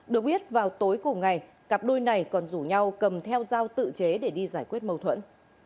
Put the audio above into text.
được biết vào tối cùng ngày cặp đôi này còn rủ nhau cầm theo dao tự chế để đi giải quyết mâu thuẫn